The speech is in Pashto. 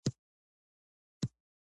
ککړتیا چاپیریال ته زیان رسوي